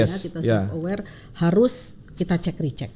kita selalu aware harus kita cek recek